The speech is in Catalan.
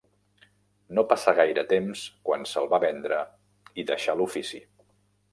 No passà gaire temps quan se'l va vendre i deixà l'ofici.